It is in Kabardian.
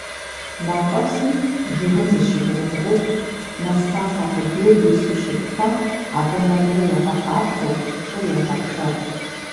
Мафӏэсым жыгым зыщимыубгъуу, мэз лъащӏэ къудейр ису щытмэ, абы мэзыр егъэкъабзэ, щӏыр егъэпшэр.